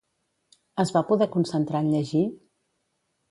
Es va poder concentrar en llegir?